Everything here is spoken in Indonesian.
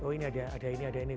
oh ini ada ini ada ini